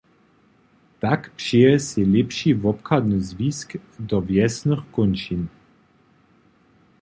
Tak přeje sej lěpši wobchadny zwisk do wjesnych kónčin.